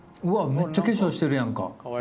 めっちゃ化粧してるやんか。